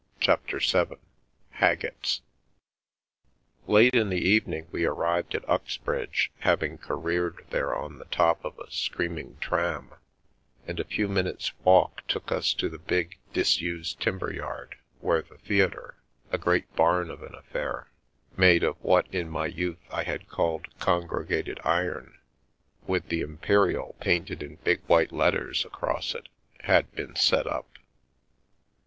CHAPTER VII haggett's LATE in the evening we arrived at Uxbridge, having careered there on the top of a screaming tram, and a few minutes' walk took us to the big disused timber yard, where the theatre — a great barn of an affair, made of what in my youth I had called "congregated" iron — with " The Imperial " painted in big white letters across it, had been set up.